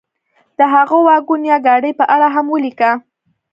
د هغه واګون یا ګاډۍ په اړه هم ولیکه.